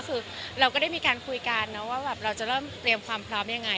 คือเราก็ได้มีการคุยกันนะว่าแบบเราจะเริ่มเตรียมความพร้อมยังไง